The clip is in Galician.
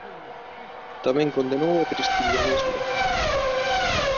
Tamén condenou o priscilianismo.